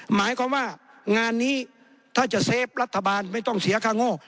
หมายความว่างานนี้ถ้าจะเซฟรัฐบาลไม่ต้องเสียค่าโง่